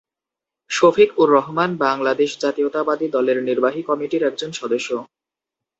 শফিক-উর-রহমান বাংলাদেশ জাতীয়তাবাদী দলের নির্বাহী কমিটির একজন সদস্য।